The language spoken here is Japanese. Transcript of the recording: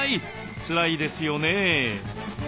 つらいですよね。